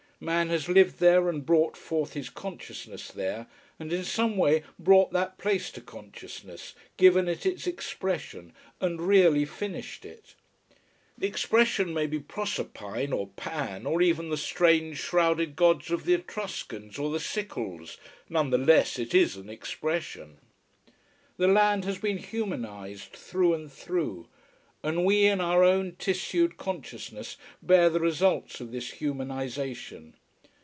Man has lived there and brought forth his consciousness there and in some way brought that place to consciousness, given it its expression, and, really, finished it. The expression may be Proserpine, or Pan, or even the strange "shrouded gods" of the Etruscans or the Sikels, none the less it is an expression. The land has been humanised, through and through: and we in our own tissued consciousness bear the results of this humanisation.